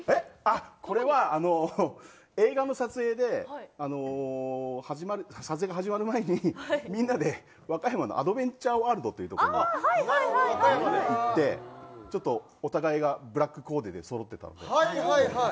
これは映画の撮影で撮影が始まる前にみんなで和歌山のアドベンチャーワールドというところに行ってお互いがブラックコーデで揃ってたので。